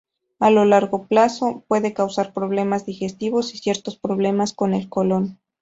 A largo plazo pueden causar problemas digestivos y ciertos problemas con el colon.